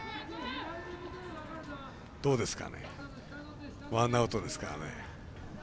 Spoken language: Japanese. どうですかねワンアウトですからね。